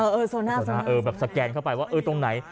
เออโซน่าโซน่าเออแบบสแกนเข้าไปว่าเออตรงไหน